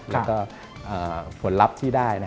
แล้วก็ผลลัพธ์ที่ได้